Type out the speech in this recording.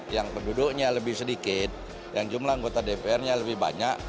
yang penduduknya lebih sedikit yang jumlah anggota dpr nya lebih banyak